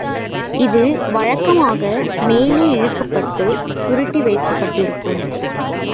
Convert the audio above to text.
அது வழக்கமாக மேலே இழுக்கப்பட்டுச் சுருட்டிவைக்கப்பட்டிருக்கும்.